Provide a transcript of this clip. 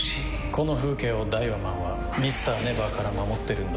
この風景をダイワマンはＭｒ．ＮＥＶＥＲから守ってるんだ。